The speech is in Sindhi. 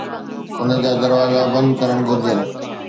ان جا دروازا بند ڪرڻ گھرجن